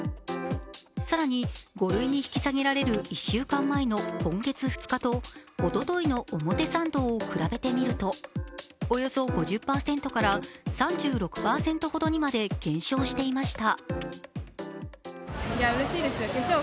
更に、５類に引き下げられる１週間前の今月２日とおとといの表参道を比べてみると、およそ５０％から３６％ほどにまで減少していました。